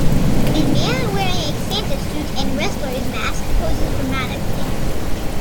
A man wearing a Santa suit and wrestler 's mask poses dramatically.